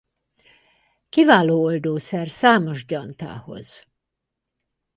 Kiváló oldószer számos gyantához.